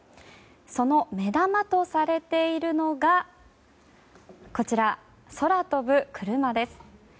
その目玉とされているのがこちら空飛ぶクルマです。